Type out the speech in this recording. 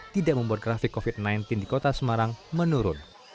tidak membuat grafik covid sembilan belas di kota semarang menurun